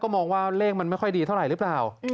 มองว่าเลขมันไม่ค่อยดีเท่าไหร่หรือเปล่า